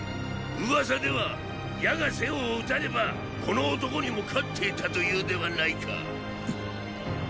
噂では矢が背を射たねばこの男にも勝っていたというではないか。！